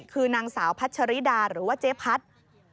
คือนางสาวพัชริดาหรือว่าเจ๊พัด